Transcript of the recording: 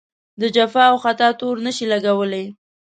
د جفا او خطا تور نه شي لګولای.